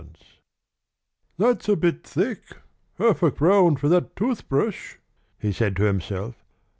"That's a bit thick, half a crown for that toothbrush!" he said to himself.